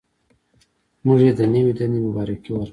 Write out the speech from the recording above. موږ یې د نوې دندې مبارکي ورکړه.